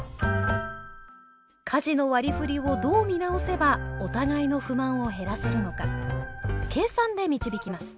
家事の割りふりをどう見直せばお互いの不満を減らせるのか計算で導きます。